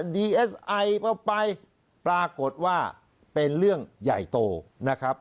ดีเอสไอไปปรากฏว่าเป็นเรื่องใหญ่โตนะครับ